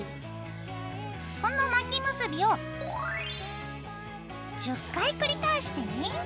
この巻き結びを１０回繰り返してね。